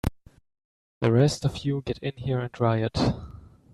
The rest of you get in here and riot!